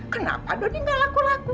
kenapa doni gak laku laku